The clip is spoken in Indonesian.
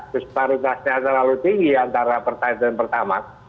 disparitasnya terlalu tinggi antara pertalite dan pertama